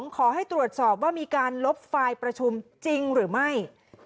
ขอให้ตรวจสอบว่ามีการลบไฟล์ประชุมจริงหรือไม่